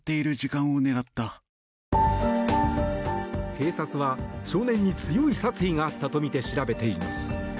警察は少年に強い殺意があったとみて調べています。